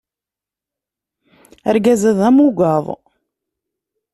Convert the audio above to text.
Argaz-a d amugaḍ.